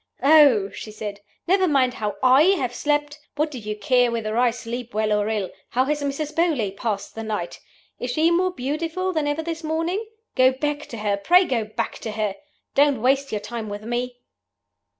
'Oh,' she said, 'never mind how I have slept! What do you care whether I sleep well or ill? How has Mrs. Beauly passed the night? Is she more beautiful than ever this morning? Go back to her pray go back to her! Don't waste your time with me!